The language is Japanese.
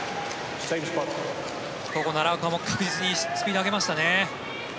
ここ、奈良岡も確実にスピードを上げましたね。